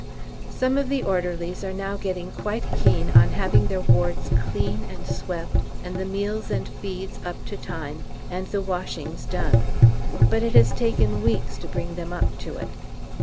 Some of the orderlies are now getting quite keen on having their wards clean and swept, and the meals and feeds up to time, and the washings done, but it has taken weeks to bring them up to it.